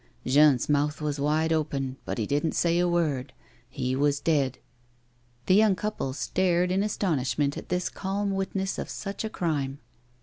Jean's mouth was wide open, but he didn't say a word ; he was dead." The yonng couple stared in astonishment at this calm witness of such a crime.